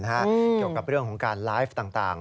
เกี่ยวกับเรื่องของการไลฟ์ต่าง